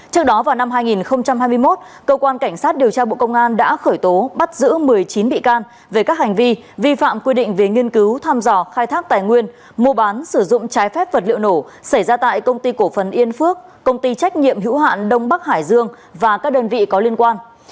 trước đó vào năm hai nghìn hai mươi một cơ quan cảnh sát điều tra bộ công an đã khởi tố bắt giữ một mươi chín bị can về các hành vi vi phạm quy định về nghiên cứu tham dò khai thác tài nguyên mua bán sử dụng trái phép vật liệu nổ xảy ra tại công ty cổ phần yên phước công ty trách nhiệm hữu hạn đông bắc hải dương và các đơn vị có liên quan